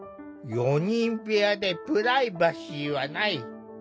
４人部屋でプライバシーはない。